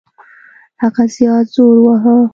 هغه زیات زور وواهه.